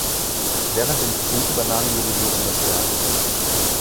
Während dem Krieg übernahm die Regierung das Werk.